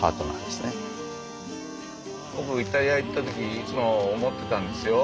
僕イタリア行った時にいつも思ってたんですよ。